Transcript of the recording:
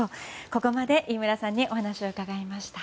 ここまで飯村さんにお話を伺いました。